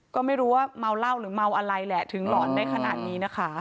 ก็ไม่รู้ว่าเมาเหล้าหรือเมาอะไรแหละถึงหลอนได้ขนาดนี้นะคะ